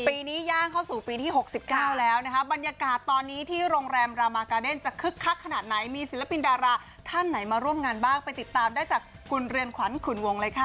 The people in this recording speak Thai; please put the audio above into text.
ปีนี้ย่างเข้าสู่ปีที่๖๙แล้วนะคะบรรยากาศตอนนี้ที่โรงแรมรามากาเดนจะคึกคักขนาดไหนมีศิลปินดาราท่านไหนมาร่วมงานบ้างไปติดตามได้จากคุณเรือนขวัญขุนวงเลยค่ะ